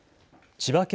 千葉県